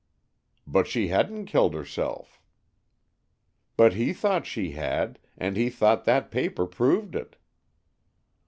"But she hadn't killed herself." "But he thought she had, and he thought that paper proved it."